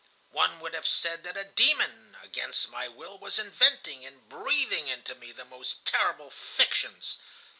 One would have said that a demon, against my will, was inventing and breathing into me the most terrible fictions.